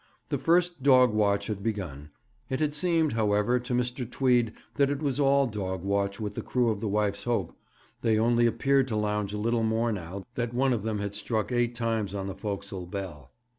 The first dog watch had begun; it had seemed, however, to Mr. Tweed that it was all dog watch with the crew of the Wife's Hope; they only appeared to lounge a little more now that one of them had struck eight times on the forecastle bell.